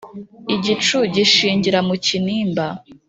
igicu gishingira mu kinimba